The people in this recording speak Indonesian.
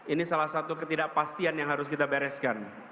ini salah satu ketidakpastian yang harus kita bereskan